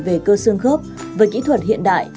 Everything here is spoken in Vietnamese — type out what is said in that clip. về cơ xương khớp với kỹ thuật hiện đại